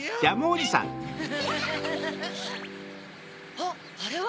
あっあれは。